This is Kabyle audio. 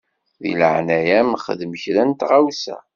Di leɛnaya-m xdem kra n tɣawsa.